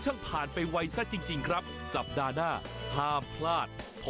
ฉันอยากบีบคุณมาก